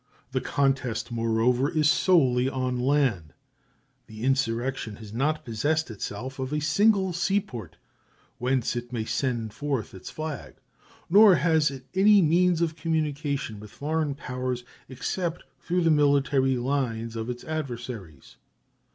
The contest, moreover, is solely on land; the insurrection has not possessed itself of a single seaport whence it may send forth its flag, nor has it any means of communication with foreign powers except through the military lines of its adversaries.